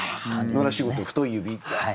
野良仕事太い指が。